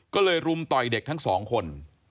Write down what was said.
ก็เลยรุมต่อยเด็กทั้งสองคน